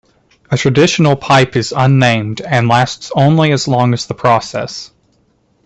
A traditional pipe is "unnamed" and lasts only as long as the process.